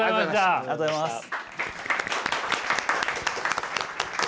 ありがとうございます。